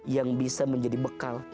yang bisa menjadi bekal